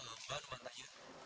mbak aku mau tanya